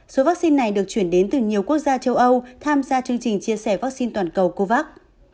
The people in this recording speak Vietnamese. số vaccine này được chuyển đến từ nhiều quốc gia châu âu tham gia chương trình chia sẻ vaccine toàn cầu covax